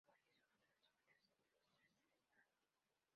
Hoy es uno de los hombres ilustres del estado.